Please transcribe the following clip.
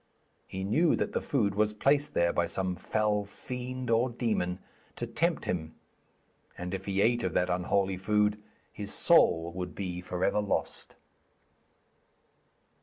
He knew that the food was placed there by some fell fiend or demon to tempt him, and if he ate of that unholy food, his soul would be for ever lost.